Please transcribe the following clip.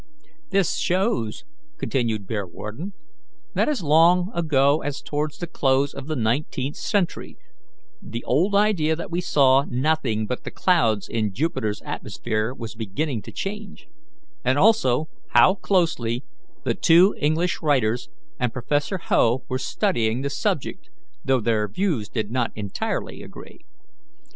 "This shows," continued Bearwarden, "that as long ago as towards the close of the nineteenth century the old idea that we saw nothing but the clouds in Jupiter's atmosphere was beginning to change; and also how closely the two English writers and Prof. Hough were studying the subject, though their views did not entirely agree.